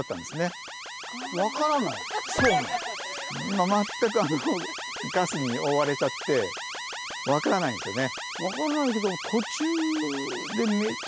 今全くガスに覆われちゃって分からないんですよね。